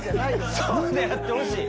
そうであってほしい。